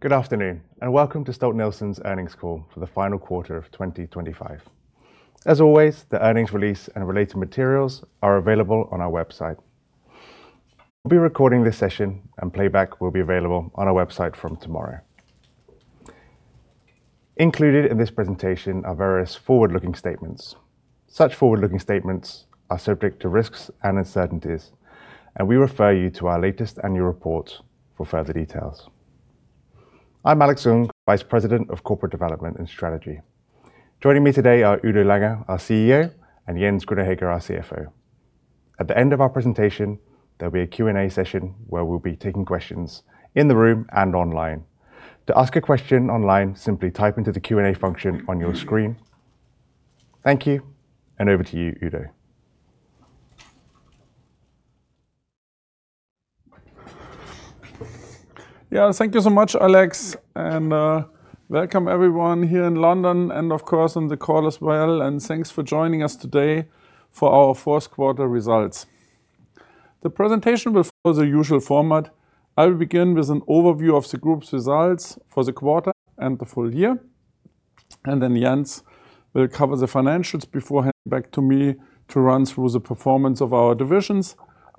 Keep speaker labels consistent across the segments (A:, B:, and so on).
A: Good afternoon, and welcome to Stolt-Nielsen's earnings call for the final quarter of 2025. As always, the earnings release and related materials are available on our website. We'll be recording this session, and playback will be available on our website from tomorrow. Included in this presentation are various forward-looking statements. Such forward-looking statements are subject to risks and uncertainties, and we refer you to our latest annual report for further details. I'm Alex Ng, Vice President of Corporate Development and Strategy. Joining me today are Udo Lange, our CEO, and Jens Grüner-Hegge, our CFO. At the end of our presentation, there'll be a Q&A session where we'll be taking questions in the room and online. To ask a question online, simply type into the Q&A function on your screen. Thank you, and over to you, Udo.
B: Yeah, thank you so much, Alex, and welcome everyone here in London, and of course, on the call as well, and thanks for joining us today for our fourth quarter results. The presentation will follow the usual format. I will begin with an overview of the group's results for the quarter and the full year, and then Jens will cover the financials before handing back to me to run through the performance of our divisions,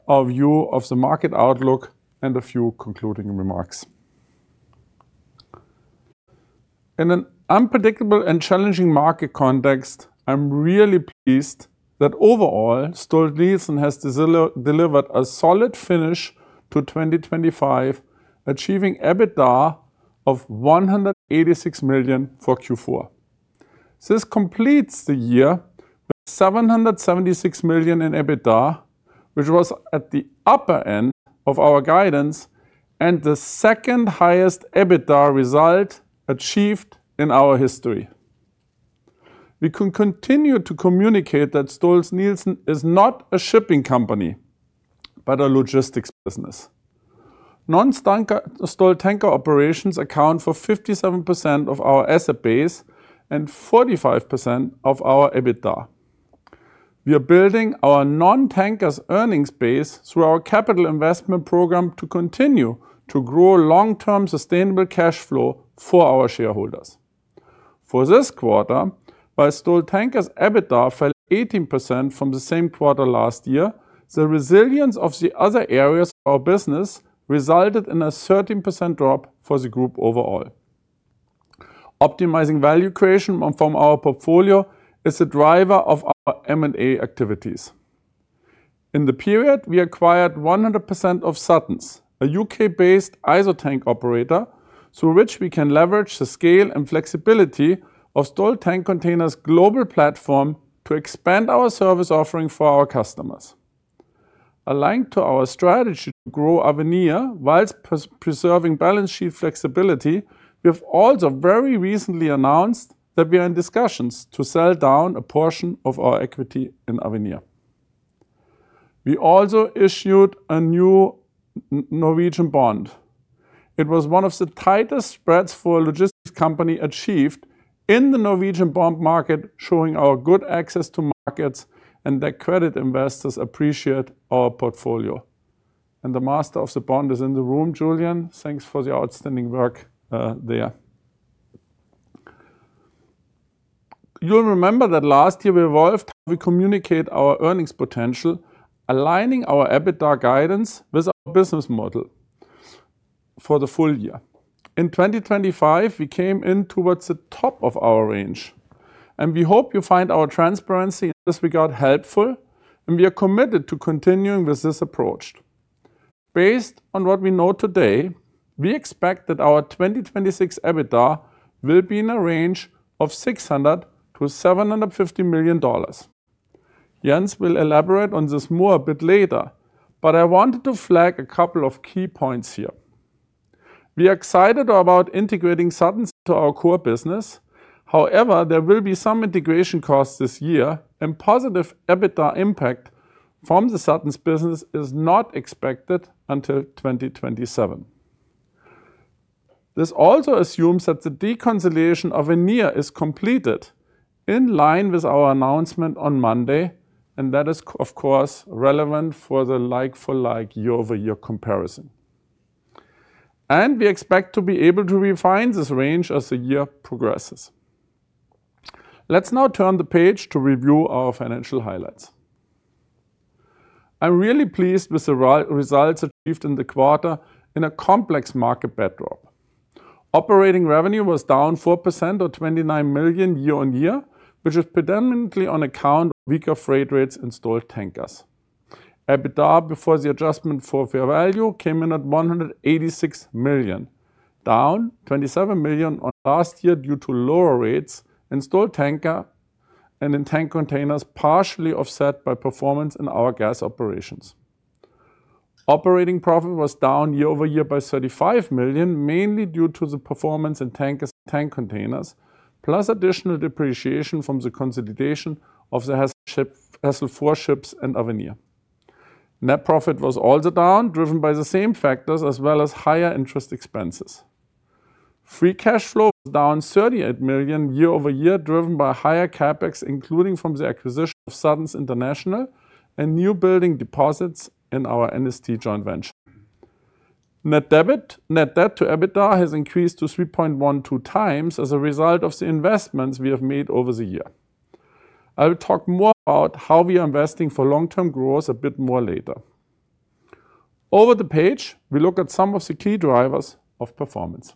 B: our view of the market outlook, and a few concluding remarks. In an unpredictable and challenging market context, I'm really pleased that overall, Stolt-Nielsen has delivered a solid finish to 2025, achieving EBITDA of $186 million for Q4. This completes the year with $776 million in EBITDA, which was at the upper end of our guidance and the second-highest EBITDA result achieved in our history. We can continue to communicate that Stolt-Nielsen is not a shipping company, but a logistics business. Non-tanker Stolt Tankers operations account for 57% of our asset base and 45% of our EBITDA. We are building our non-tankers earnings base through our capital investment program to continue to grow long-term sustainable cash flow for our shareholders. For this quarter, while Stolt Tankers EBITDA fell 18% from the same quarter last year, the resilience of the other areas of our business resulted in a 13% drop for the group overall. Optimizing value creation from our portfolio is a driver of our M&A activities. In the period, we acquired 100% of Suttons, a UK-based ISO tank operator, through which we can leverage the scale and flexibility of Stolt Tank Containers' global platform to expand our service offering for our customers. Aligned to our strategy to grow Avenir while preserving balance sheet flexibility, we have also very recently announced that we are in discussions to sell down a portion of our equity in Avenir. We also issued a new Norwegian bond. It was one of the tightest spreads for a logistics company achieved in the Norwegian bond market, showing our good access to markets and that credit investors appreciate our portfolio. The master of the bond is in the room. Julian, thanks for the outstanding work, there. You'll remember that last year we evolved how we communicate our earnings potential, aligning our EBITDA guidance with our business model for the full year. In 2025, we came in towards the top of our range, and we hope you find our transparency in this regard helpful, and we are committed to continuing with this approach. Based on what we know today, we expect that our 2026 EBITDA will be in a range of $600 million-$750 million. Jens will elaborate on this more a bit later, but I wanted to flag a couple of key points here. We are excited about integrating Suttons into our core business. However, there will be some integration costs this year, and positive EBITDA impact from the Suttons business is not expected until 2027. This also assumes that the deconsolidation of Avenir is completed in line with our announcement on Monday, and that is, of course, relevant for the like-for-like year-over-year comparison. We expect to be able to refine this range as the year progresses. Let's now turn the page to review our financial highlights. I'm really pleased with the results achieved in the quarter in a complex market backdrop. Operating revenue was down 4%, or $29 million year-over-year, which is predominantly on account of weaker freight rates in Stolt Tankers. EBITDA before the adjustment for fair value came in at $186 million, down $27 million on last year due to lower rates in Stolt Tankers and in tank containers, partially offset by performance in our gas operations. Operating profit was down year-over-year by $35 million, mainly due to the performance in tankers and tank containers, plus additional depreciation from the consolidation of the Hassel Shipping IV ships and Avenir. Net profit was also down, driven by the same factors as well as higher interest expenses. Free cash flow was down $38 million year-over-year, driven by higher CapEx, including from the acquisition of Suttons International and newbuilding deposits in our NST joint venture. Net debt to EBITDA has increased to 3.12 times as a result of the investments we have made over the year. I will talk more about how we are investing for long-term growth a bit more later. Over the page, we look at some of the key drivers of performance.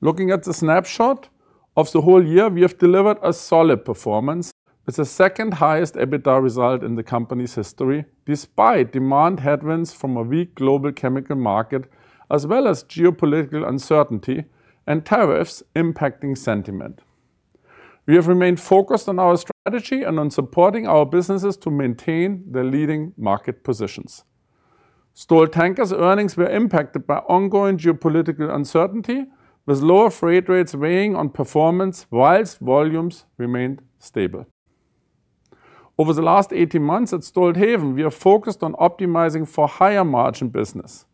B: Looking at the snapshot of the whole year, we have delivered a solid performance with the second highest EBITDA result in the company's history, despite demand headwinds from a weak global chemical market, as well as geopolitical uncertainty and tariffs impacting sentiment. We have remained focused on our strategy and on supporting our businesses to maintain their leading market positions. Stolt Tankers earnings were impacted by ongoing geopolitical uncertainty, with lower freight rates weighing on performance, while volumes remained stable. Over the last eighteen months at Stolthaven, we are focused on optimizing for higher margin business.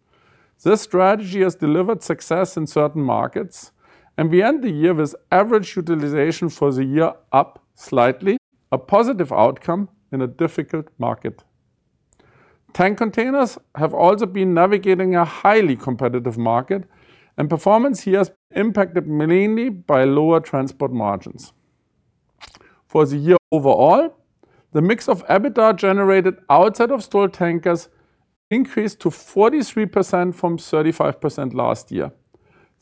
B: This strategy has delivered success in certain markets, and we end the year with average utilization for the year up slightly, a positive outcome in a difficult market. Tank containers have also been navigating a highly competitive market, and performance here has been impacted mainly by lower transport margins. For the year overall, the mix of EBITDA generated outside of Stolt Tankers increased to 43% from 35% last year.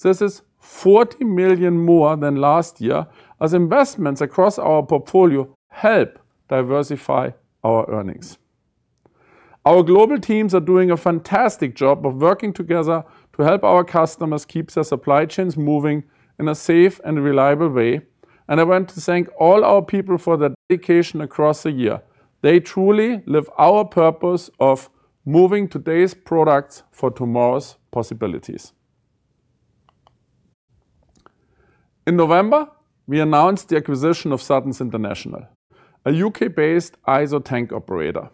B: This is $40 million more than last year, as investments across our portfolio help diversify our earnings. Our global teams are doing a fantastic job of working together to help our customers keep their supply chains moving in a safe and reliable way, and I want to thank all our people for their dedication across the year. They truly live our purpose of moving today's products for tomorrow's possibilities. In November, we announced the acquisition of Suttons International, a UK-based ISO tank operator.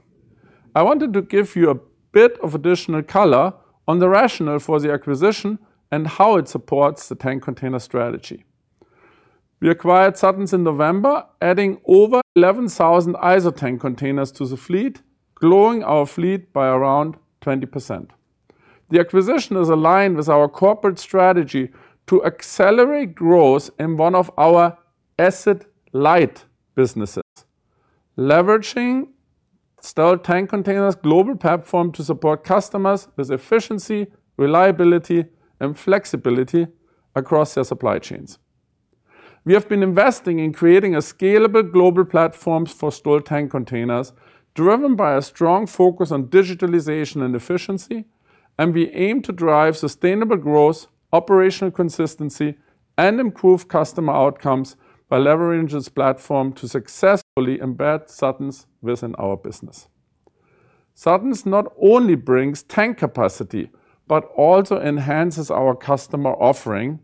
B: I wanted to give you a bit of additional color on the rationale for the acquisition and how it supports the tank container strategy. We acquired Suttons in November, adding over 11,000 ISO tank containers to the fleet, growing our fleet by around 20%. The acquisition is aligned with our corporate strategy to accelerate growth in one of our asset-light businesses, leveraging Stolt Tank Containers global platform to support customers with efficiency, reliability and flexibility across their supply chains. We have been investing in creating a scalable global platforms for Stolt Tank Containers, driven by a strong focus on digitalization and efficiency, and we aim to drive sustainable growth, operational consistency and improve customer outcomes by leveraging this platform to successfully embed Suttons within our business. Suttons not only brings tank capacity, but also enhances our customer offering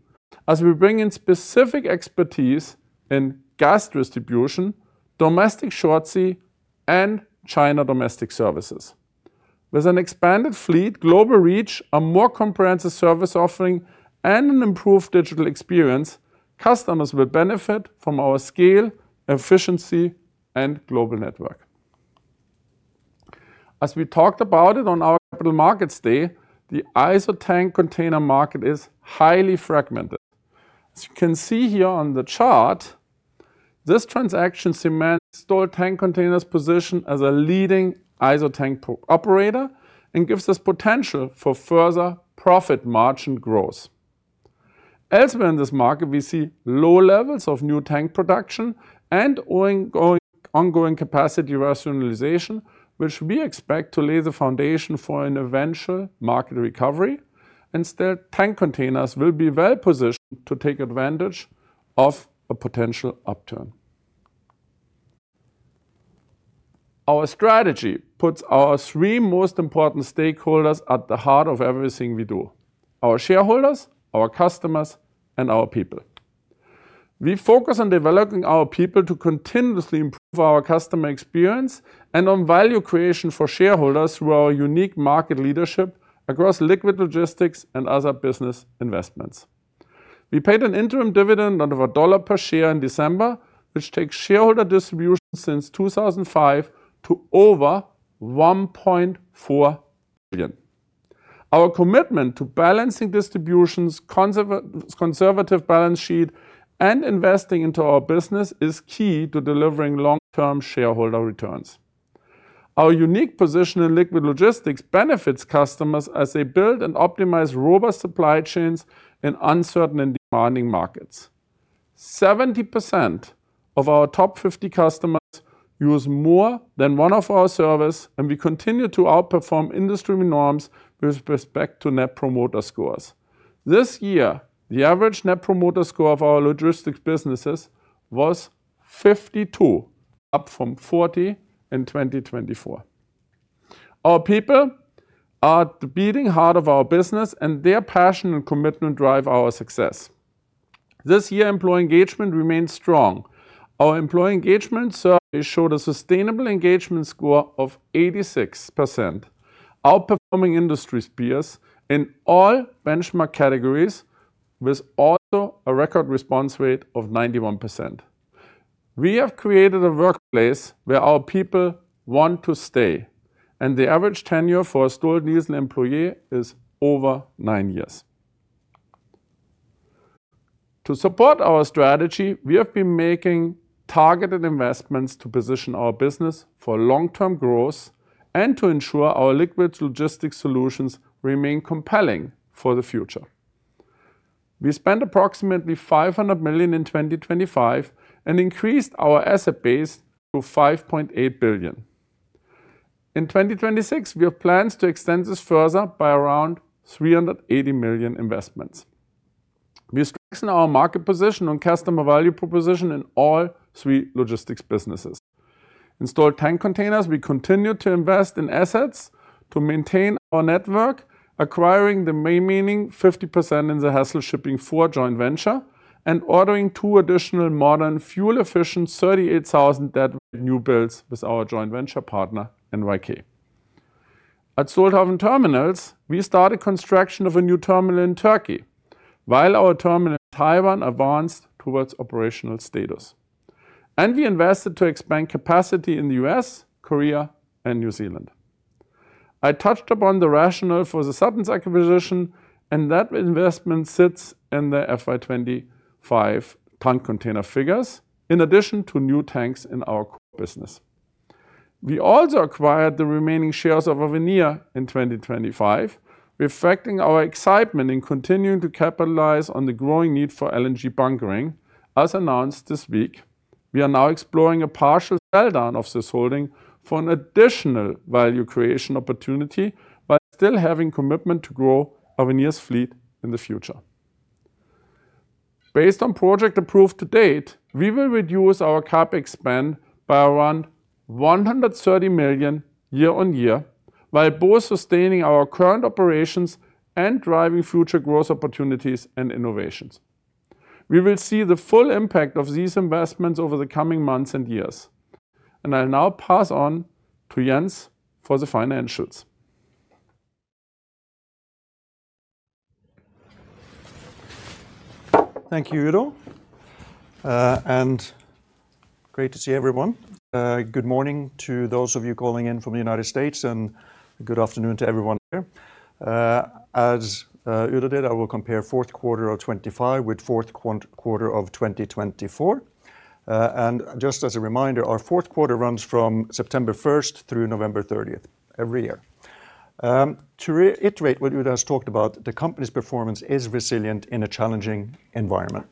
B: as we bring in specific expertise in gas distribution, domestic short sea, and China domestic services. With an expanded fleet, global reach, a more comprehensive service offering, and an improved digital experience, customers will benefit from our scale, efficiency, and global network. As we talked about it on our Capital Markets Day, the ISO tank container market is highly fragmented. As you can see here on the chart, this transaction cements Stolt Tank Containers position as a leading ISO tank operator and gives us potential for further profit margin growth. Elsewhere in this market, we see low levels of new tank production and ongoing capacity rationalization, which we expect to lay the foundation for an eventual market recovery, and Stolt Tank Containers will be well positioned to take advantage of a potential upturn. Our strategy puts our three most important stakeholders at the heart of everything we do: our shareholders, our customers, and our people. We focus on developing our people to continuously improve our customer experience and on value creation for shareholders through our unique market leadership across liquid logistics and other business investments. We paid an interim dividend of $1 per share in December, which takes shareholder distributions since 2005 to over $1.4 billion. Our commitment to balancing distributions, conservative balance sheet, and investing into our business is key to delivering long-term shareholder returns. Our unique position in liquid logistics benefits customers as they build and optimize robust supply chains in uncertain and demanding markets. 70% of our top 50 customers use more than one of our service, and we continue to outperform industry norms with respect to Net Promoter Scores. This year, the average Net Promoter Score of our logistics businesses was 52, up from 40 in 2024. Our people are the beating heart of our business, and their passion and commitment drive our success. This year, employee engagement remains strong. Our employee engagement survey showed a sustainable engagement score of 86%, outperforming industry peers in all benchmark categories, with also a record response rate of 91%. We have created a workplace where our people want to stay, and the average tenure for a Stolt-Nielsen employee is over nine years. To support our strategy, we have been making targeted investments to position our business for long-term growth and to ensure our liquids logistics solutions remain compelling for the future. We spent approximately $500 million in 2025 and increased our asset base to $5.8 billion. In 2026, we have plans to extend this further by around $380 million investments. We strengthen our market position on customer value proposition in all three logistics businesses. In Stolt Tank Containers, we continue to invest in assets to maintain our network, acquiring the remaining 50% in the Hassel Shipping IV joint venture and ordering two additional modern, fuel-efficient, 38,000 deadweight newbuilds with our joint venture partner, NYK. At Stolthaven Terminals, we started construction of a new terminal in Turkey, while our terminal in Taiwan advanced towards operational status, and we invested to expand capacity in the US, Korea, and New Zealand. I touched upon the rationale for the Suttons acquisition, and that investment sits in the FY 2025 tank container figures, in addition to new tanks in our core business. We also acquired the remaining shares of Avenir in 2025, reflecting our excitement in continuing to capitalize on the growing need for LNG bunkering. As announced this week, we are now exploring a partial sell-down of this holding for an additional value creation opportunity, while still having commitment to grow Avenir's fleet in the future. Based on projects approved to date, we will reduce our CapEx spend by around $130 million year-over-year, while both sustaining our current operations and driving future growth opportunities and innovations. We will see the full impact of these investments over the coming months and years, and I'll now pass on to Jens for the financials.
C: Thank you, Udo, and great to see everyone. Good morning to those of you calling in from the United States, and good afternoon to everyone here. As Udo did, I will compare fourth quarter of 2025 with fourth quarter of 2024. And just as a reminder, our fourth quarter runs from September first through November thirtieth every year. To reiterate what Udo has talked about, the company's performance is resilient in a challenging environment.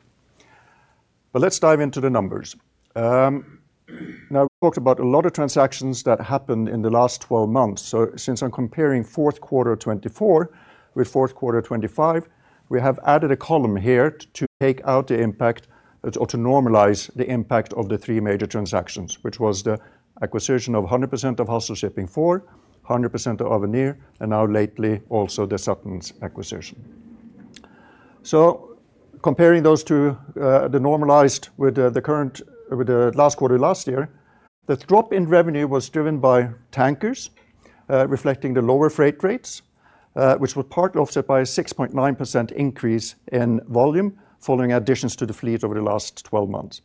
C: But let's dive into the numbers. Now, we talked about a lot of transactions that happened in the last 12 months. Since I'm comparing fourth quarter of 2024 with fourth quarter of 2025, we have added a column here to take out the impact or to normalize the impact of the three major transactions, which was the acquisition of 100% of Hassel Shipping IV, 100% of Avenir, and now lately, also the Suttons acquisition. Comparing those two, the normalized with the last quarter last year, the drop in revenue was driven by tankers, reflecting the lower freight rates, which were partly offset by a 6.9% increase in volume following additions to the fleet over the last 12 months.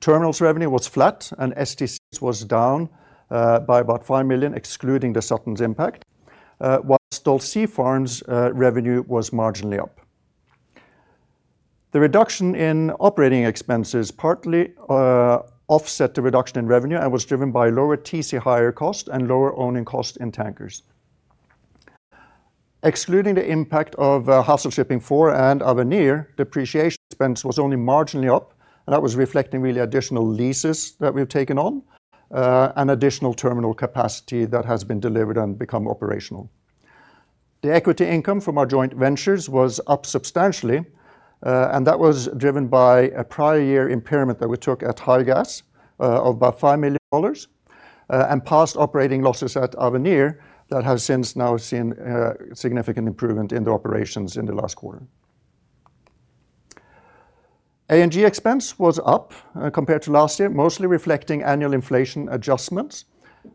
C: Terminals revenue was flat, and STCs was down by about $5 million, excluding the Suttons impact, while Stolt Sea Farm's revenue was marginally up. The reduction in operating expenses partly offset the reduction in revenue and was driven by lower TC hire cost and lower owning cost in tankers. Excluding the impact of Hassel Shipping IV and Avenir, depreciation expense was only marginally up, and that was reflecting really additional leases that we've taken on and additional terminal capacity that has been delivered and become operational. The equity income from our joint ventures was up substantially, and that was driven by a prior year impairment that we took at Higas of about $5 million and past operating losses at Avenir that have since now seen a significant improvement in the operations in the last quarter. A&G expense was up compared to last year, mostly reflecting annual inflation adjustments,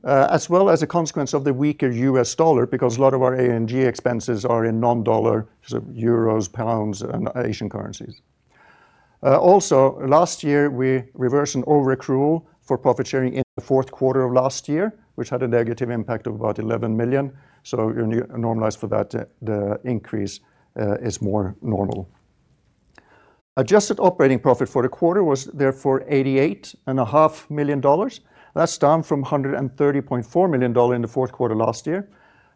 C: as well as a consequence of the weaker U.S. dollar, because a lot of our A&G expenses are in non-dollar, so euros, pounds, and Asian currencies. Also, last year, we reversed an overaccrual for profit-sharing in the fourth quarter of last year, which had a negative impact of about $11 million. So when you normalize for that, the increase is more normal. Adjusted operating profit for the quarter was therefore $88.5 million. That's down from $130.4 million in the fourth quarter last year.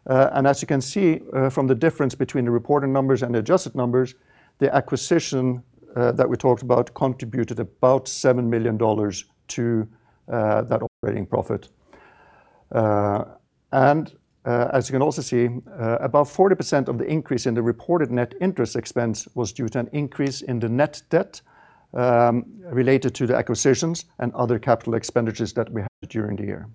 C: And as you can see, from the difference between the reported numbers and the adjusted numbers, the acquisition that we talked about contributed about $7 million to that operating profit. and, as you can also see, about 40% of the increase in the reported net interest expense was due to an increase in the net debt, related to the acquisitions and other capital expenditures that we had during the year,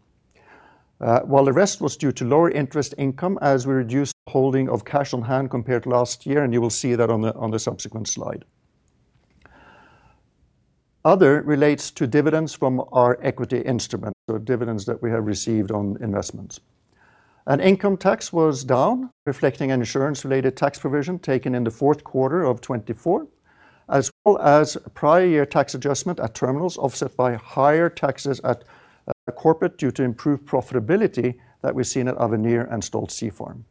C: while the rest was due to lower interest income as we reduced holding of cash on hand compared to last year, and you will see that on the, on the subsequent slide. Other relates to dividends from our equity instruments, so dividends that we have received on investments. And income tax was down, reflecting an insurance-related tax provision taken in the fourth quarter of 2024, as well as a prior year tax adjustment at terminals, offset by higher taxes at, corporate, due to improved profitability that we've seen at Avenir and Stolt Sea Farm.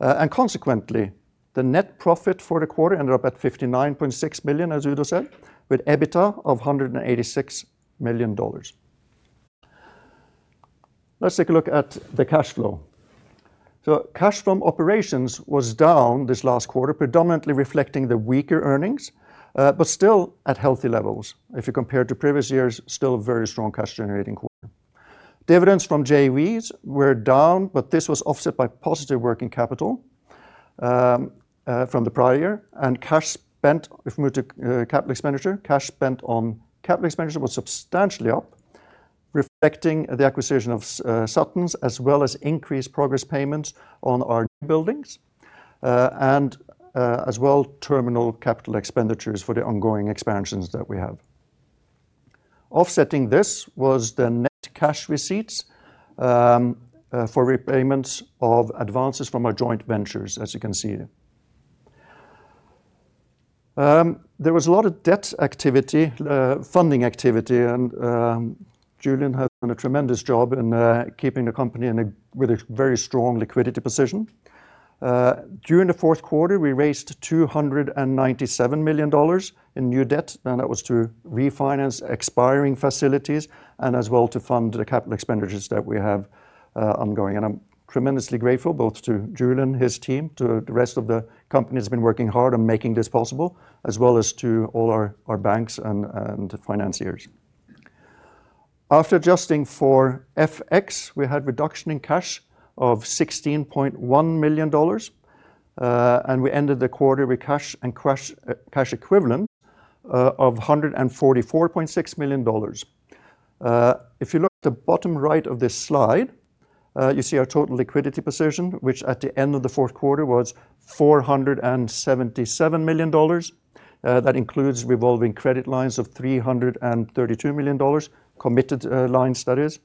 C: And consequently, the net profit for the quarter ended up at $59.6 billion, as Udo said, with EBITDA of $186 million. Let's take a look at the cash flow. So cash from operations was down this last quarter, predominantly reflecting the weaker earnings, but still at healthy levels. If you compare to previous years, still a very strong cash-generating quarter. Dividends from JVs were down, but this was offset by positive working capital from the prior year, and cash spent. If we move to capital expenditure, cash spent on capital expenditure was substantially up, reflecting the acquisition of Suttons, as well as increased progress payments on our newbuildings, and as well, terminal capital expenditures for the ongoing expansions that we have. Offsetting this was the net cash receipts for repayments of advances from our joint ventures, as you can see. There was a lot of debt activity, funding activity, and Julian has done a tremendous job in keeping the company with a very strong liquidity position. During the fourth quarter, we raised $297 million in new debt, and that was to refinance expiring facilities and as well to fund the capital expenditures that we have ongoing. I'm tremendously grateful both to Julian, his team, to the rest of the company that's been working hard on making this possible, as well as to all our banks and financiers. After adjusting for FX, we had reduction in cash of $16.1 million, and we ended the quarter with cash and cash equivalents of $144.6 million. If you look at the bottom right of this slide, you see our total liquidity position, which at the end of the fourth quarter was $477 million. That includes revolving credit lines of $332 million, committed lines, that is.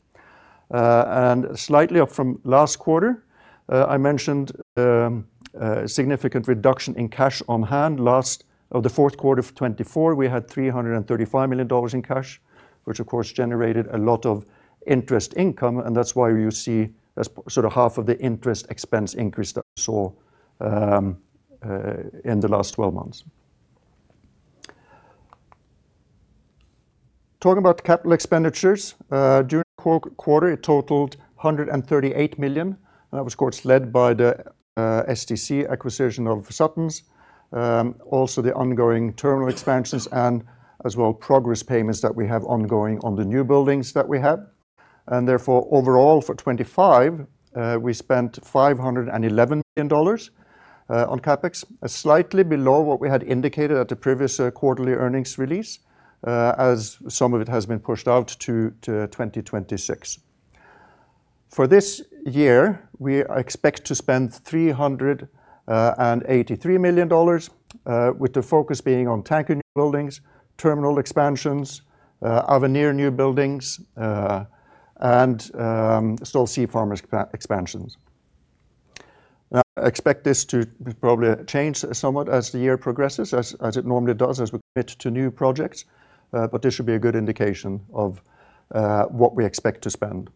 C: And slightly up from last quarter, I mentioned, a significant reduction in cash on hand. Last... of the fourth quarter of 2024, we had $335 million in cash, which of course generated a lot of interest income, and that's why you see as sort of half of the interest expense increase that we saw in the last 12 months. Talking about capital expenditures, during the quarter, it totaled $138 million, and that was, of course, led by the STC acquisition of Suttons, also the ongoing terminal expansions and as well progress payments that we have ongoing on the newbuildings that we have. Therefore, overall, for 2025, we spent $511 million on CapEx, slightly below what we had indicated at the previous quarterly earnings release, as some of it has been pushed out to 2026. For this year, we expect to spend $383 million, with the focus being on tanker newbuildings, terminal expansions, Avenir newbuildings, and Stolt Sea Farm expansions. Now, I expect this to probably change somewhat as the year progresses, as, as it normally does, as we commit to new projects, but this should be a good indication of, what we expect to spend.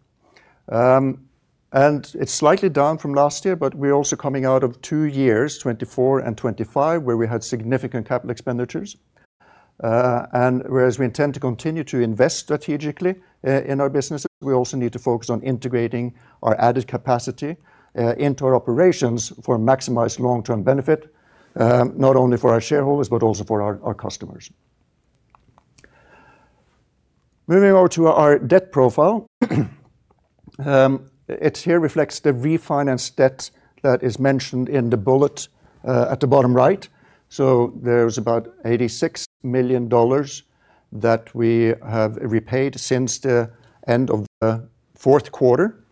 C: And it's slightly down from last year, but we're also coming out of two years, 2024 and 2025, where we had significant capital expenditures. And whereas we intend to continue to invest strategically, in our businesses, we also need to focus on integrating our added capacity, into our operations for maximized long-term benefit, not only for our shareholders, but also for our, our customers. Moving over to our debt profile, it here reflects the refinance debt that is mentioned in the bullet at the bottom right. So there's about $86 million that we have repaid since the end of the fourth quarter.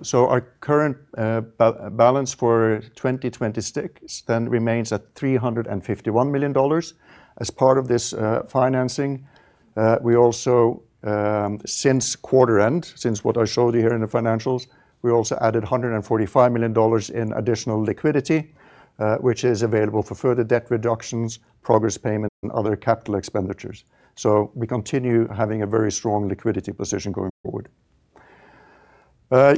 C: So our current balance for 2026 then remains at $351 million. As part of this financing, we also, since quarter end, since what I showed you here in the financials, we also added $145 million in additional liquidity, which is available for further debt reductions, progress payments and other capital expenditures. So we continue having a very strong liquidity position going forward.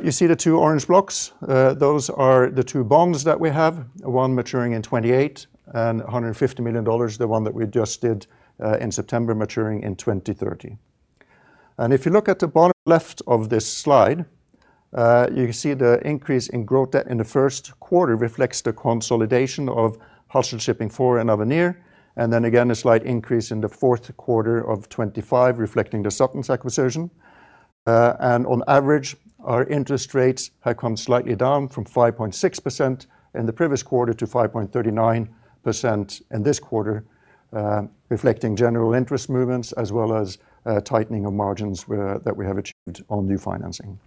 C: You see the two orange blocks? Those are the two bonds that we have, one maturing in 2028 and $150 million, the one that we just did in September, maturing in 2030. If you look at the bottom left of this slide, you can see the increase in growth debt in the first quarter reflects the consolidation of Hassel Shipping IV and Avenir, and then again, a slight increase in the fourth quarter of 2025, reflecting the Suttons acquisition. On average, our interest rates have come slightly down from 5.6% in the previous quarter to 5.39% in this quarter, reflecting general interest movements as well as tightening of margins that we have achieved on new financing.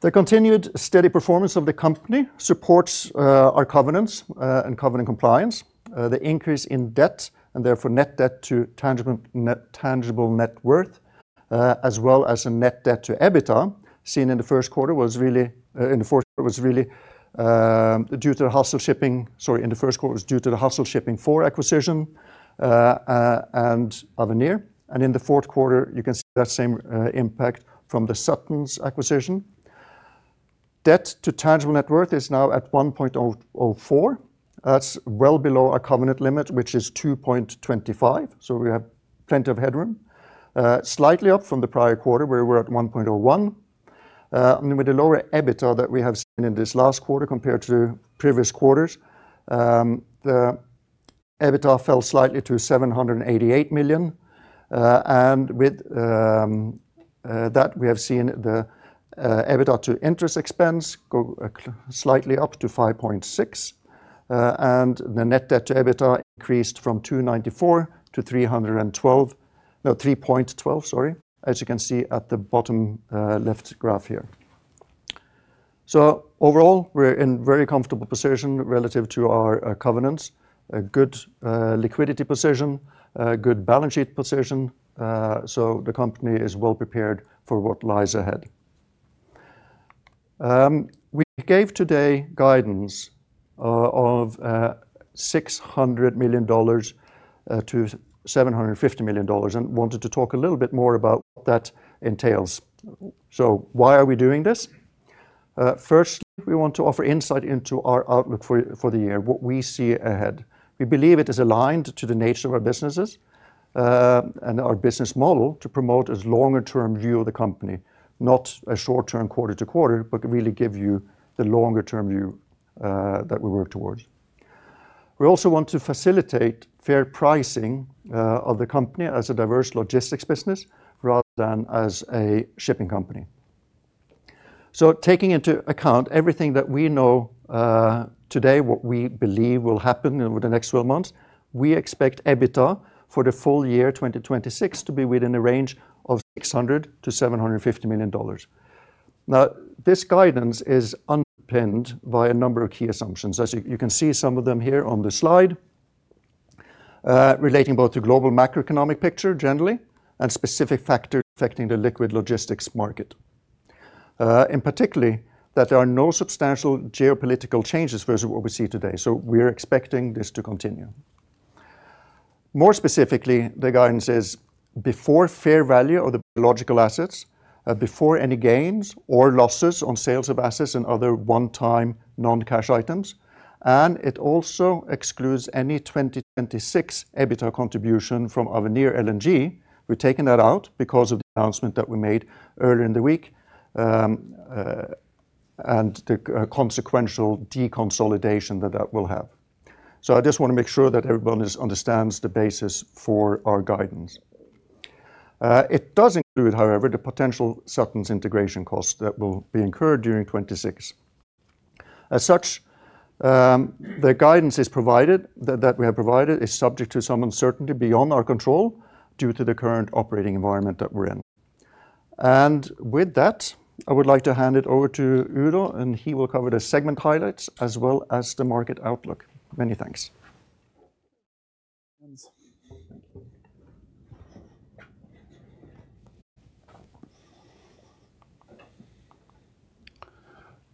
C: The continued steady performance of the company supports our covenants and covenant compliance. The increase in debt, and therefore net debt to tangible net worth, as well as the net debt to EBITDA seen in the first quarter, was really, in the fourth was really, due to the Hassel Shipping, sorry, in the first quarter, was due to the Hassel Shipping IV acquisition, and Avenir. And in the fourth quarter, you can see that same impact from the Suttons acquisition. Debt to tangible net worth is now at 1.004. That's well below our covenant limit, which is 2.25, so we have plenty of headroom. Slightly up from the prior quarter, where we were at 1.01. And with the lower EBITDA that we have seen in this last quarter compared to previous quarters, the EBITDA fell slightly to $788 million. And with that, we have seen the EBITDA to interest expense go slightly up to 5.6. And the net debt to EBITDA increased from 2.94 to 3.12, sorry, as you can see at the bottom left graph here. So overall, we're in very comfortable position relative to our covenants, a good liquidity position, a good balance sheet position, so the company is well prepared for what lies ahead. We gave today guidance of $600 million-$750 million, and wanted to talk a little bit more about what that entails. So why are we doing this? Firstly, we want to offer insight into our outlook for the year, what we see ahead. We believe it is aligned to the nature of our businesses, and our business model to promote its longer term view of the company, not a short-term quarter to quarter, but really give you the longer term view, that we work towards. We also want to facilitate fair pricing, of the company as a diverse logistics business, rather than as a shipping company. So taking into account everything that we know, today, what we believe will happen over the next 12 months, we expect EBITDA for the full year 2026 to be within the range of $600 million-$750 million. Now, this guidance is underpinned by a number of key assumptions. As you can see some of them here on the slide, relating both to global macroeconomic picture generally, and specific factors affecting the liquid logistics market. And particularly, that there are no substantial geopolitical changes versus what we see today, so we're expecting this to continue. More specifically, the guidance is before fair value or the biological assets, before any gains or losses on sales of assets and other one-time non-cash items, and it also excludes any 2026 EBITDA contribution from Avenir LNG. We've taken that out because of the announcement that we made earlier in the week, and the consequential deconsolidation that that will have. So I just want to make sure that everyone understands the basis for our guidance. It does include, however, the potential Suttons integration costs that will be incurred during 2026. As such, the guidance that we have provided is subject to some uncertainty beyond our control due to the current operating environment that we're in. With that, I would like to hand it over to Udo, and he will cover the segment highlights as well as the market outlook. Many thanks.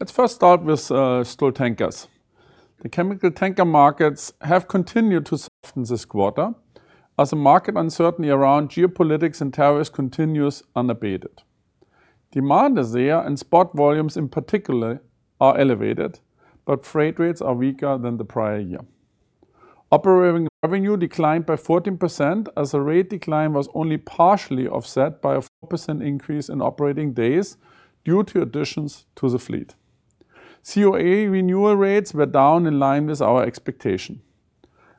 B: Let's first start with Stolt Tankers. The chemical tanker markets have continued to soften this quarter, as the market uncertainty around geopolitics and tariffs continues unabated. Demand is there, and spot volumes in particular are elevated, but freight rates are weaker than the prior year. Operating revenue declined by 14%, as the rate decline was only partially offset by a 4% increase in operating days due to additions to the fleet. COA renewal rates were down in line with our expectation,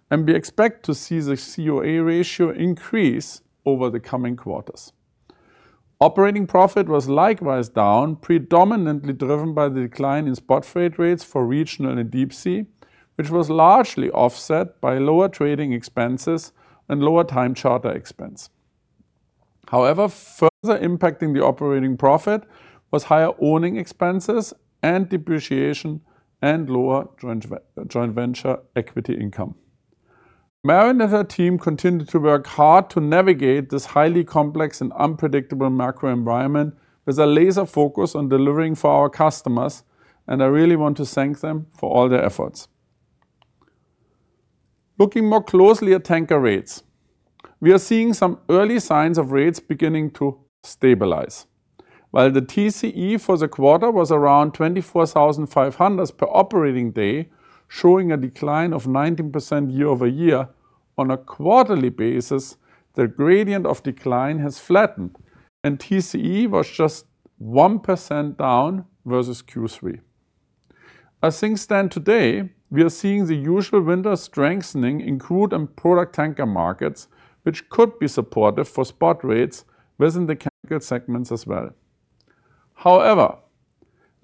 B: and we expect to see the COA ratio increase over the coming quarters. Operating profit was likewise down, predominantly driven by the decline in spot freight rates for regional and deep sea, which was largely offset by lower trading expenses and lower time charter expense. However, further impacting the operating profit was higher owning expenses and depreciation and lower joint venture equity income. Maren and her team continued to work hard to navigate this highly complex and unpredictable macro environment with a laser focus on delivering for our customers, and I really want to thank them for all their efforts. Looking more closely at tanker rates, we are seeing some early signs of rates beginning to stabilize. While the TCE for the quarter was around $24,500 per operating day, showing a decline of 19% year-over-year, on a quarterly basis, the gradient of decline has flattened, and TCE was just 1% down versus Q3. As things stand today, we are seeing the usual winter strengthening in crude and product tanker markets, which could be supportive for spot rates within the chemical segments as well.... However,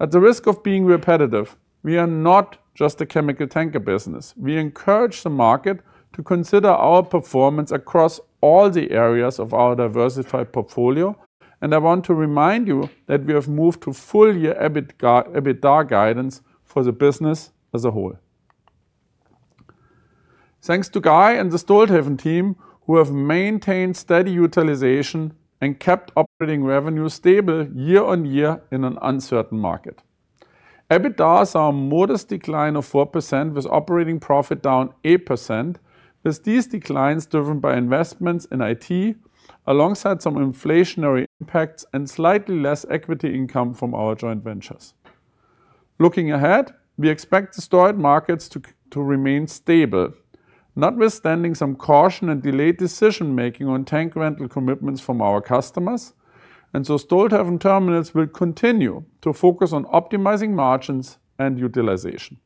B: at the risk of being repetitive, we are not just a chemical tanker business. We encourage the market to consider our performance across all the areas of our diversified portfolio, and I want to remind you that we have moved to full year EBITDA guidance for the business as a whole. Thanks to Guy and the Stolthaven team, who have maintained steady utilization and kept operating revenue stable year-on-year in an uncertain market. EBITDA saw a modest decline of 4%, with operating profit down 8%, with these declines driven by investments in IT, alongside some inflationary impacts and slightly less equity income from our joint ventures. Looking ahead, we expect the storage markets to remain stable, notwithstanding some caution and delayed decision-making on tank rental commitments from our customers, and so Stolthaven Terminals will continue to focus on optimizing margins and utilization.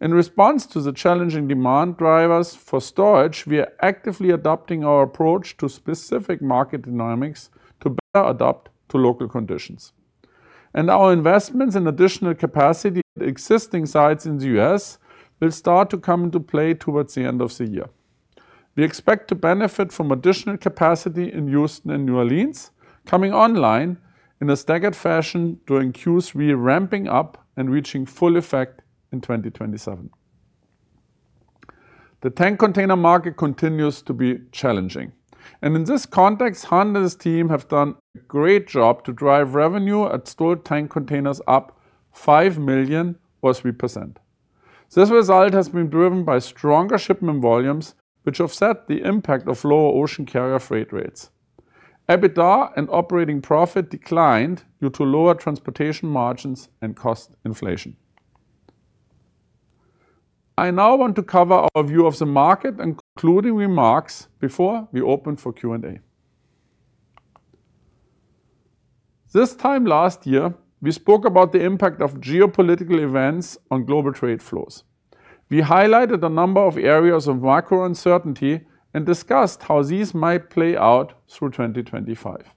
B: In response to the challenging demand drivers for storage, we are actively adopting our approach to specific market dynamics to better adapt to local conditions. Our investments in additional capacity at existing sites in the U.S. will start to come into play towards the end of the year. We expect to benefit from additional capacity in Houston and New Orleans, coming online in a staggered fashion during Q3, ramping up and reaching full effect in 2027. The tank container market continues to be challenging, and in this context, Hans and his team have done a great job to drive revenue at Stolt Tank Containers up $5 million or 3%. This result has been driven by stronger shipment volumes, which offset the impact of lower ocean carrier freight rates. EBITDA and operating profit declined due to lower transportation margins and cost inflation. I now want to cover our view of the market and concluding remarks before we open for Q&A. This time last year, we spoke about the impact of geopolitical events on global trade flows. We highlighted a number of areas of macro uncertainty and discussed how these might play out through 2025.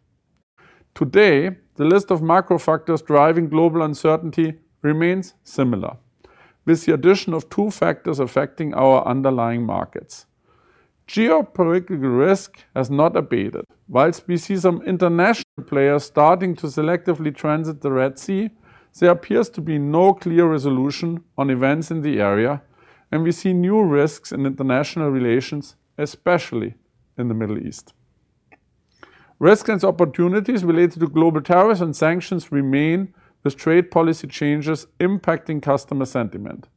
B: Today, the list of macro factors driving global uncertainty remains similar, with the addition of two factors affecting our underlying markets. Geopolitical risk has not abated. While we see some international players starting to selectively transit the Red Sea, there appears to be no clear resolution on events in the area, and we see new risks in international relations, especially in the Middle East. Risks and opportunities related to global tariffs and sanctions remain, with trade policy changes impacting customer sentiment.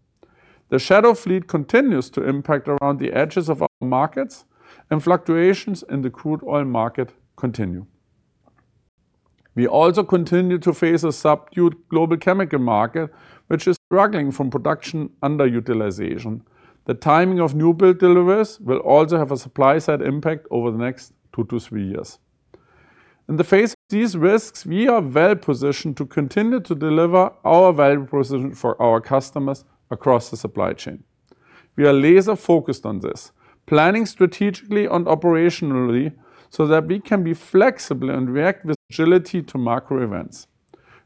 B: The shadow fleet continues to impact around the edges of our markets, and fluctuations in the crude oil market continue. We also continue to face a subdued global chemical market, which is struggling from production underutilization. The timing of new build deliveries will also have a supply-side impact over the next 2-3 years. In the face of these risks, we are well positioned to continue to deliver our value proposition for our customers across the supply chain. We are laser focused on this, planning strategically and operationally so that we can be flexible and react with agility to macro events.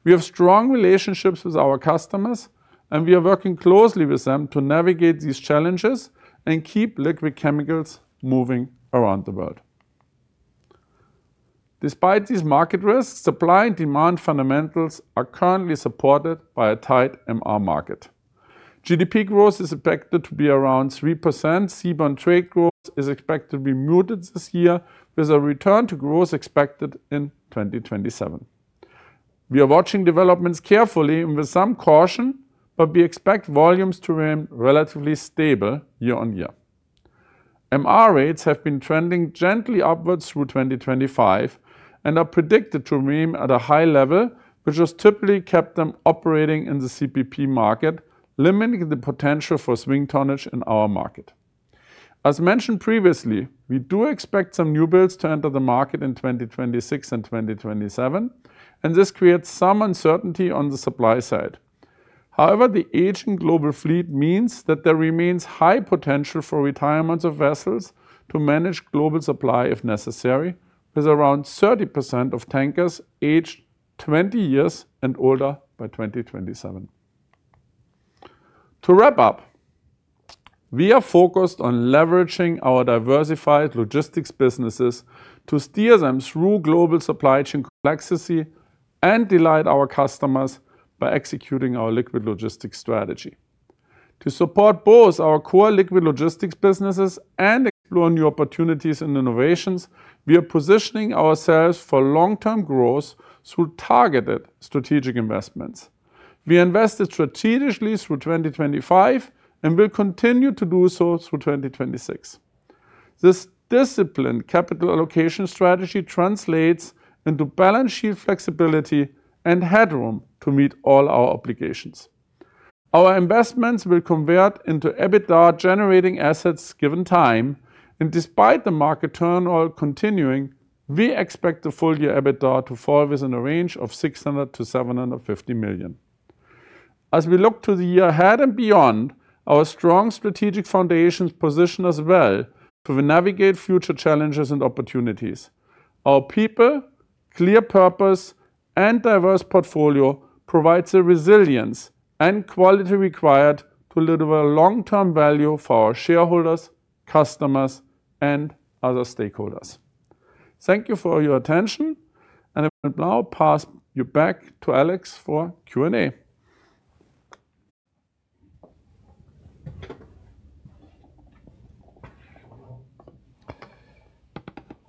B: We have strong relationships with our customers, and we are working closely with them to navigate these challenges and keep liquid chemicals moving around the world. Despite these market risks, supply and demand fundamentals are currently supported by a tight MR market. GDP growth is expected to be around 3%. Seaborne trade growth is expected to be muted this year, with a return to growth expected in 2027. We are watching developments carefully and with some caution, but we expect volumes to remain relatively stable year on year. MR rates have been trending gently upwards through 2025 and are predicted to remain at a high level, which has typically kept them operating in the CPP market, limiting the potential for swing tonnage in our market. As mentioned previously, we do expect some newbuilds to enter the market in 2026 and 2027, and this creates some uncertainty on the supply side. However, the aging global fleet means that there remains high potential for retirements of vessels to manage global supply if necessary, with around 30% of tankers aged 20 years and older by 2027. To wrap up, we are focused on leveraging our diversified logistics businesses to steer them through global supply chain complexity and delight our customers by executing our liquid logistics strategy. To support both our core liquid logistics businesses and explore new opportunities and innovations, we are positioning ourselves for long-term growth through targeted strategic investments. We invested strategically through 2025 and will continue to do so through 2026. This disciplined capital allocation strategy translates into balance sheet flexibility and headroom to meet all our obligations. Our investments will convert into EBITDA-generating assets, given time, and despite the market turmoil continuing, we expect the full-year EBITDA to fall within a range of $600 million-$750 million. As we look to the year ahead and beyond, our strong strategic foundation position us well to navigate future challenges and opportunities. Our people, clear purpose, and diverse portfolio provides the resilience and quality required to deliver long-term value for our shareholders, customers, and other stakeholders. Thank you for your attention, and I will now pass you back to Alex for Q&A.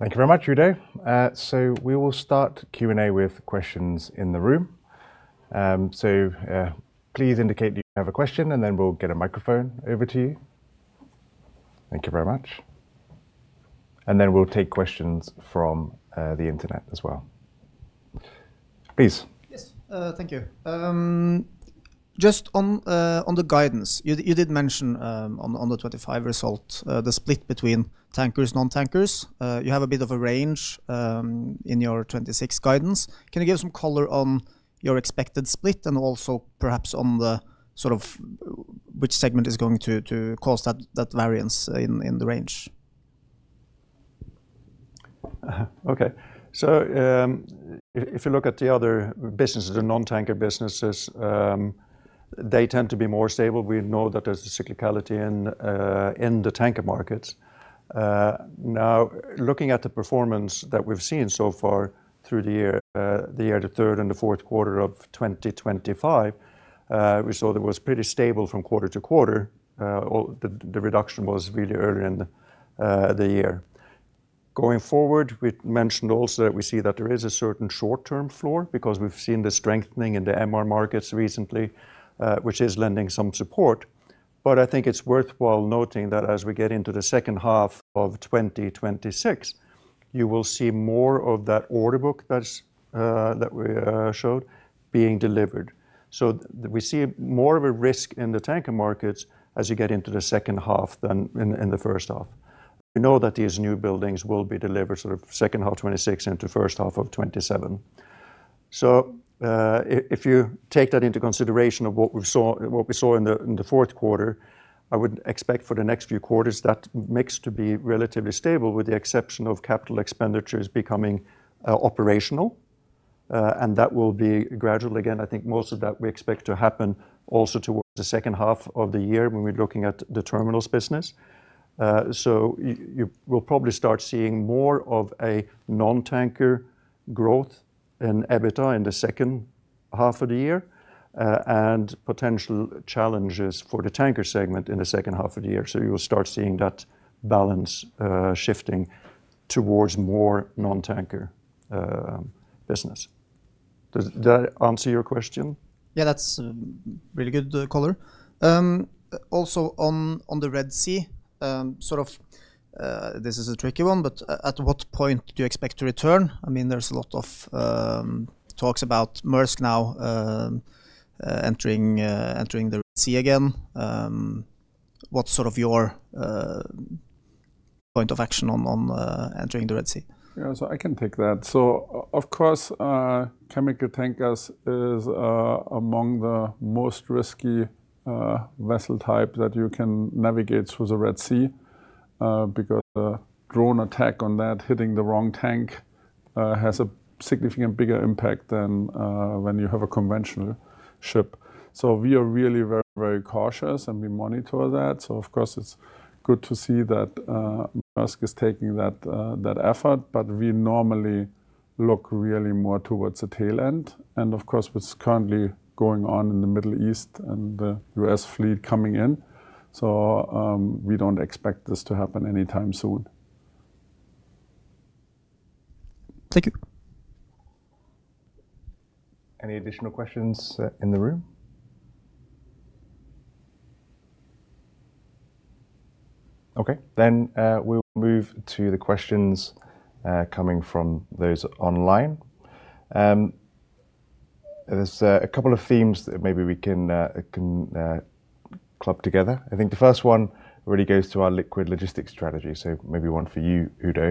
A: Thank you very much, Udo. We will start Q&A with questions in the room. Please indicate that you have a question, and then we'll get a microphone over to you. Thank you very much. And then we'll take questions from the internet as well. Please.
D: Yes, thank you. Just on the guidance, you did mention on the 2025 result, the split between tankers, non-tankers. You have a bit of a range in your 2026 guidance. Can you give some color on your expected split, and also perhaps on the sort of which segment is going to cause that variance in the range?
C: Okay. So, if you look at the other businesses, the non-tanker businesses, they tend to be more stable. We know that there's a cyclicality in the tanker markets. Now, looking at the performance that we've seen so far through the year, the third and the fourth quarter of 2025, we saw that it was pretty stable from quarter to quarter. All the reduction was really early in the year. Going forward, we mentioned also that we see that there is a certain short-term floor because we've seen the strengthening in the MR markets recently, which is lending some support. But I think it's worthwhile noting that as we get into the second half of 2026, you will see more of that order book that's that we showed being delivered. So we see more of a risk in the tanker markets as you get into the second half than in the first half. We know that these new buildings will be delivered sort of second half 2026 into first half of 2027. So, if you take that into consideration of what we saw, what we saw in the fourth quarter, I would expect for the next few quarters that mix to be relatively stable, with the exception of capital expenditures becoming operational. And that will be gradual. Again, I think most of that we expect to happen also towards the second half of the year when we're looking at the terminals business. So you will probably start seeing more of a non-tanker growth in EBITDA in the second half of the year, and potential challenges for the tanker segment in the second half of the year. So you will start seeing that balance, shifting towards more non-tanker business. Does that answer your question?
D: Yeah, that's really good color. Also on the Red Sea, sort of, this is a tricky one, but at what point do you expect to return? I mean, there's a lot of talks about Maersk now entering the Red Sea again. What's sort of your point of action on entering the Red Sea?
B: Yeah, so I can take that. So of course, chemical tankers is among the most risky vessel type that you can navigate through the Red Sea, because a drone attack on that hitting the wrong tank has a significant bigger impact than when you have a conventional ship. So we are really very, very cautious, and we monitor that. So of course, it's good to see that Maersk is taking that effort, but we normally look really more towards the tail end. And of course, what's currently going on in the Middle East and the U.S. fleet coming in, so we don't expect this to happen anytime soon.
D: Thank you.
A: Any additional questions in the room? Okay, then, we'll move to the questions coming from those online. There's a couple of themes that maybe we can club together. I think the first one really goes to our liquid logistics strategy, so maybe one for you, Udo.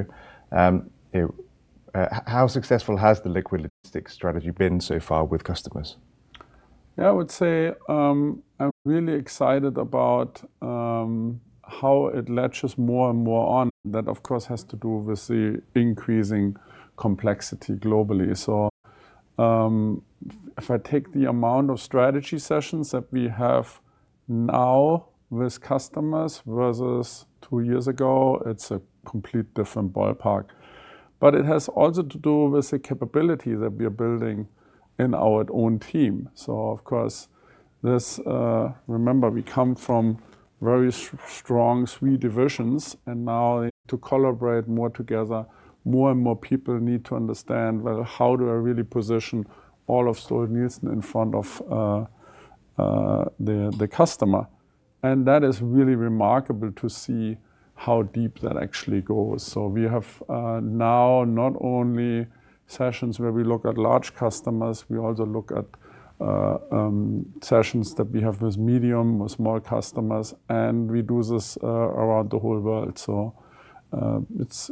A: How successful has the liquid logistics strategy been so far with customers?
B: Yeah, I would say, I'm really excited about how it latches more and more on. That, of course, has to do with the increasing complexity globally. So, if I take the amount of strategy sessions that we have now with customers versus two years ago, it's a complete different ballpark. But it has also to do with the capability that we are building in our own team. So of course, this... Remember, we come from very strong three divisions, and now to collaborate more together, more and more people need to understand, well, how do I really position all of Stolt-Nielsen in front of the customer? And that is really remarkable to see how deep that actually goes. So we have now not only sessions where we look at large customers, we also look at sessions that we have with medium or small customers, and we do this around the whole world. So, it's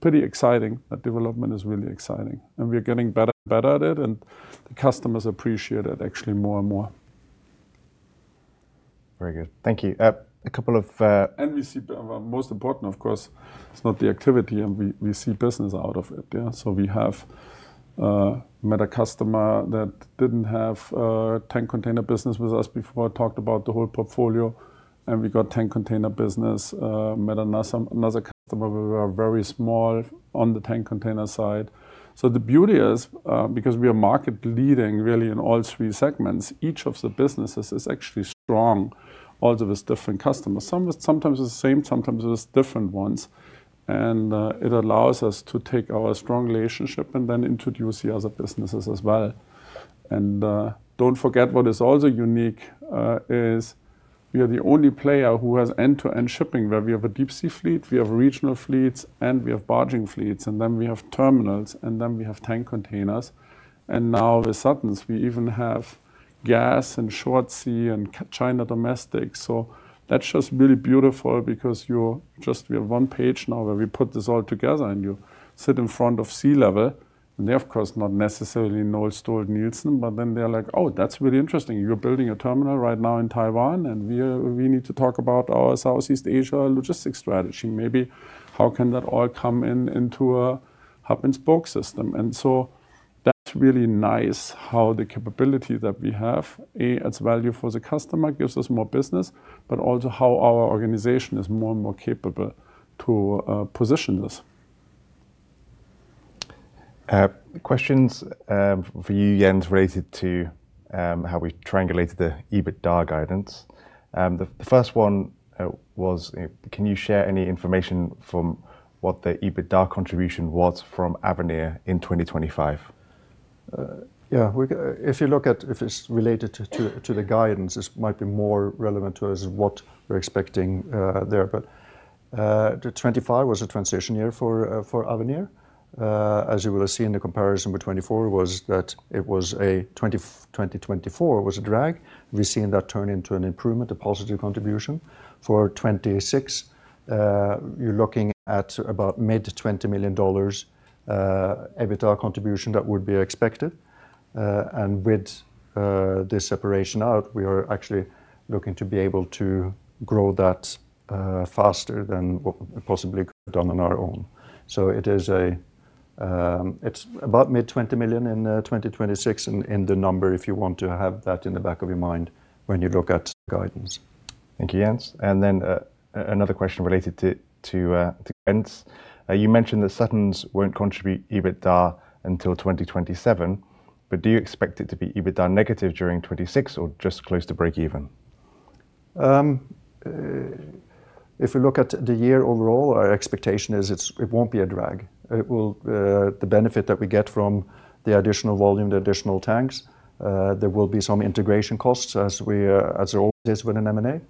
B: pretty exciting. That development is really exciting, and we are getting better and better at it, and the customers appreciate it actually more and more.
A: Very good, thank you. A couple of,
B: We see, most important, of course, it's not the activity, and we see business out of it, yeah? So we have met a customer that didn't have a tank container business with us before, talked about the whole portfolio, and we got tank container business. Met another customer where we are very small on the tank container side. So the beauty is, because we are market leading really in all three segments, each of the businesses is actually strong, all of its different customers. Sometimes it's the same, sometimes it is different ones, and it allows us to take our strong relationship and then introduce the other businesses as well. Don't forget, what is also unique is we are the only player who has end-to-end shipping, where we have a deep sea fleet, we have regional fleets, and we have barging fleets, and then we have terminals, and then we have tank containers. And now with Suttons, we even have gas and short sea and China domestic. So that's just really beautiful because you're just, we have one page now where we put this all together, and you sit in front of C-level, and they're, of course, not necessarily know Stolt-Nielsen, but then they're like, "Oh, that's really interesting. You're building a terminal right now in Taiwan, and we, we need to talk about our Southeast Asia logistics strategy. Maybe how can that all come in into a hub-and-spoke system?" And so that's really nice how the capability that we have adds value for the customer, gives us more business, but also how our organization is more and more capable to position this.
A: Questions for you, Jens, related to how we triangulated the EBITDA guidance. The first one was, "Can you share any information from what the EBITDA contribution was from Avenir in 2025?
C: Yeah, if you look at, if it's related to the guidance, this might be more relevant to us what we're expecting there. But the 2025 was a transition year for Avenir. As you will see in the comparison with 2024, it was a 2024 was a drag. We've seen that turn into an improvement, a positive contribution. For 2026, you're looking at about mid- to $20 million EBITDA contribution that would be expected. And with this separation out, we are actually looking to be able to grow that faster than what we possibly could have done on our own. So it is, it's about mid-$20 million in 2026 in the number, if you want to have that in the back of your mind when you look at the guidance.
A: Thank you, Jens. Another question related to Jens. You mentioned that Suttons won't contribute EBITDA until 2027, but do you expect it to be EBITDA negative during 2026 or just close to breakeven?
C: If we look at the year overall, our expectation is it won't be a drag. It will, the benefit that we get from the additional volume, the additional tanks, there will be some integration costs as we, as there always is with an M&A.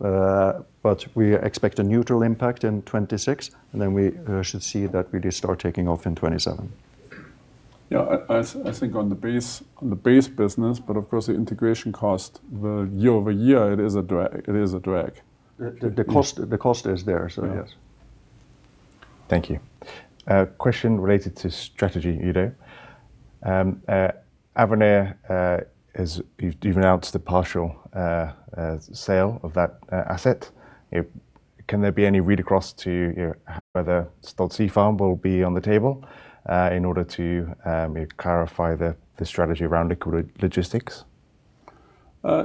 C: But we expect a neutral impact in 2026, and then we should see that really start taking off in 2027.
B: Yeah, I think on the base, on the base business, but of course, the integration cost, the year-over-year, it is a drag. It is a drag.
C: The cost is there, so yes.
A: Thank you. A question related to strategy, Udo. Avenir, you've announced the partial sale of that asset. Can there be any read-across to, you know, whether Stolt Sea Farm will be on the table, in order to clarify the strategy around liquid logistics?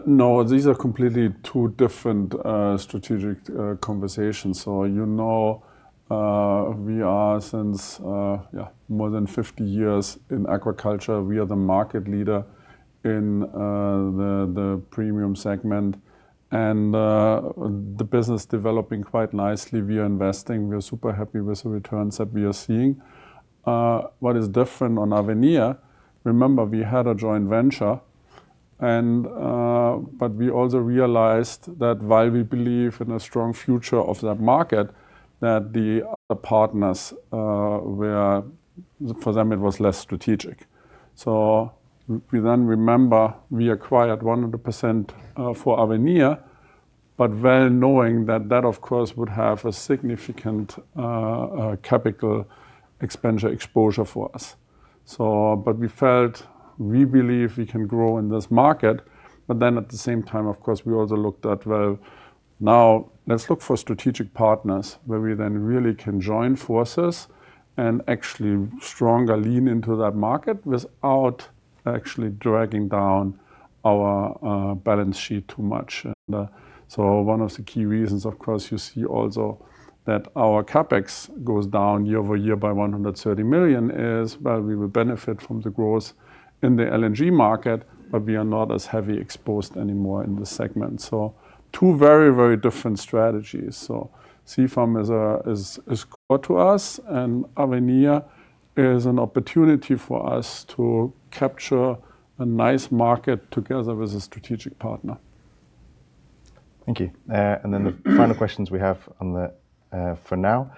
B: No, these are completely two different strategic conversations. So, you know, we are since, yeah, more than 50 years in aquaculture. We are the market leader in the premium segment and the business developing quite nicely. We are investing. We are super happy with the returns that we are seeing. What is different on Avenir, remember, we had a joint venture, and but we also realized that while we believe in a strong future of that market, that the partners were, for them, it was less strategic. So we then remember, we acquired 100% for Avenir, but well knowing that that, of course, would have a significant capital expenditure exposure for us. So but we felt we believe we can grow in this market, but then at the same time, of course, we also looked at, well, now let's look for strategic partners, where we then really can join forces and actually stronger lean into that market without actually dragging down our balance sheet too much. And so one of the key reasons, of course, you see also that our CapEx goes down year-over-year by $130 million is while we will benefit from the growth in the LNG market, but we are not as heavy exposed anymore in this segment. So two very, very different strategies. So Sea Farm is core to us, and Avenir is an opportunity for us to capture a nice market together with a strategic partner.
A: Thank you. And then the final questions we have on the for now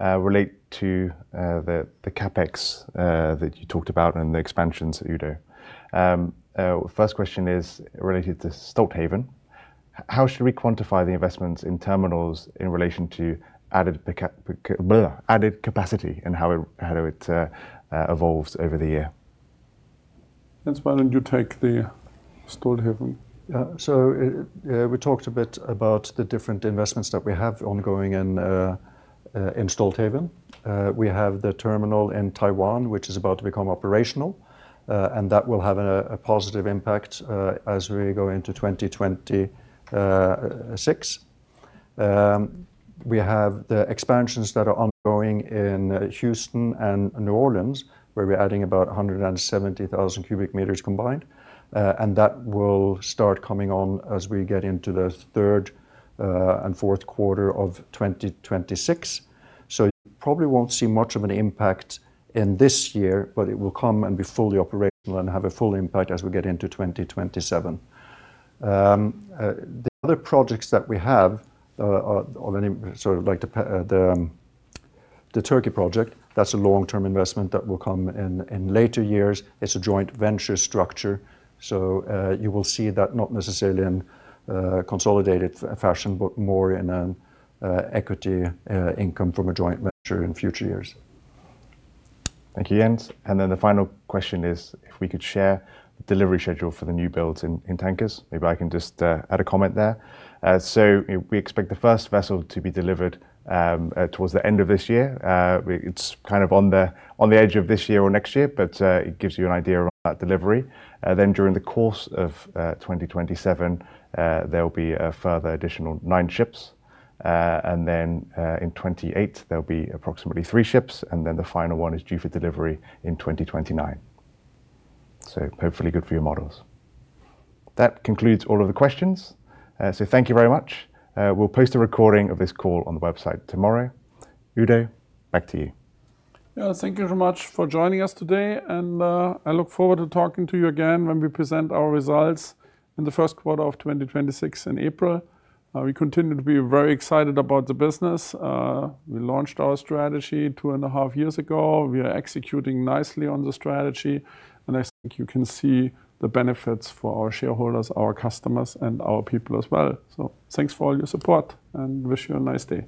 A: relate to the CapEx that you talked about and the expansions, Udo. First question is related to Stolthaven. How should we quantify the investments in terminals in relation to added capacity and how it evolves over the year?...
B: Jens, why don't you take the Stolthaven?
C: So, we talked a bit about the different investments that we have ongoing in Stolthaven. We have the terminal in Taiwan, which is about to become operational, and that will have a positive impact as we go into 2026. We have the expansions that are ongoing in Houston and New Orleans, where we're adding about 170,000 cubic meters combined, and that will start coming on as we get into the third and fourth quarter of 2026. So you probably won't see much of an impact in this year, but it will come and be fully operational and have a full impact as we get into 2027. The other projects that we have are then sort of like the Turkey project, that's a long-term investment that will come in in later years. It's a joint venture structure, so you will see that not necessarily in consolidated fashion, but more in an equity income from a joint venture in future years.
A: Thank you, Jens. Then the final question is, if we could share the delivery schedule for the newbuilds in tankers? Maybe I can just add a comment there. So we expect the first vessel to be delivered towards the end of this year. It's kind of on the edge of this year or next year, but it gives you an idea around that delivery. Then during the course of 2027, there'll be a further additional nine ships. And then in 2028, there'll be approximately three ships, and then the final one is due for delivery in 2029. So hopefully good for your models. That concludes all of the questions. So thank you very much. We'll post a recording of this call on the website tomorrow. Udo, back to you.
B: Yeah, thank you very much for joining us today, and I look forward to talking to you again when we present our results in the first quarter of 2026 in April. We continue to be very excited about the business. We launched our strategy two and a half years ago. We are executing nicely on the strategy, and I think you can see the benefits for our shareholders, our customers, and our people as well. So thanks for all your support and wish you a nice day.